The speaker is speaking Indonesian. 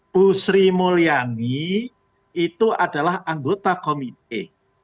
bu sri mulyani itu adalah anggota komite